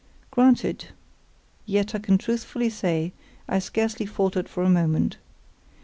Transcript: Granted; yet I can truthfully say I scarcely faltered for a moment.